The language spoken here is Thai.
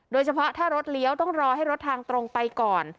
โดยเฉพาะถ้ารถเลี้ยวต้องรอให้รถทางตรงไปก่อน